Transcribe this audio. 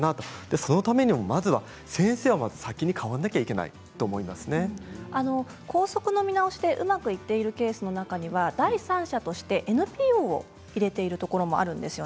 そのためにも先生は先に変わら校則の見直しでうまくいっているケースの中には第三者としてＮＰＯを入れているところがあります。